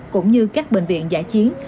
cũng như các bệnh viện giả chiến